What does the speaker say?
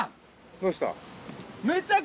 どうした？